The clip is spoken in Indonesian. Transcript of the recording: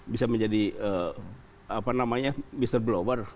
bisa menjadi apa namanya mr blower